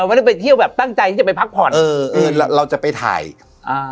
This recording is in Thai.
ไม่ได้ไปเที่ยวแบบตั้งใจที่จะไปพักผ่อนเออเออเราจะไปถ่ายอ่า